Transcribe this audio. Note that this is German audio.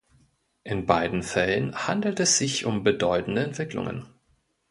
In beiden Fällen handelt es sich um bedeutende Entwicklungen.